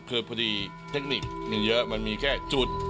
คือพอดีเทคนิคเยอะมันมีแค่จุด